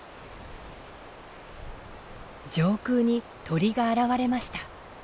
上空に鳥が現れました。